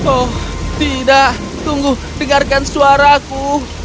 oh tidak tunggu dengarkan suaraku